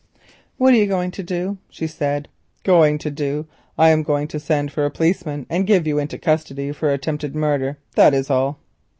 "What are you going to do?" she said. "Going to do? I am going to send for a policeman and give you into custody for attempted murder, that is all."